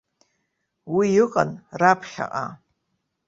Уи ыҟан раԥхьаҟа.